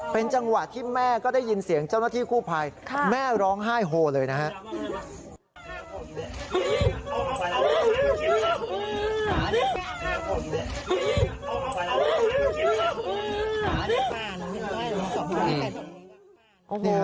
เป็นจังหวะที่แม่ก็ได้ยินเสียงเจ้าหน้าที่กู้ภัยแม่ร้องไห้โฮเลยนะฮะ